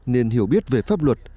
nên hiểu biết về pháp luật